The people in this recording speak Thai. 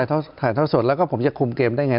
ถ้าถ่ายเท่าสดแล้วก็ผมจะคุมเกมได้ไง